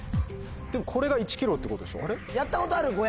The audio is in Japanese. でもこれが１ｋｇってことでしょ？